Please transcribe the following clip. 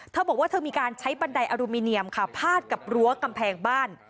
เธอบอกว่าเธอมีการใช้บันไดอลูมิเนียมค่ะพาดกับรั้วกำแพงบ้าน